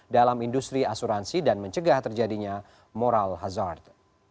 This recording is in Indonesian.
dalam industri asuransi dan mencegah terjadinya moral hazard